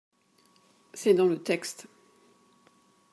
C’est dans le texte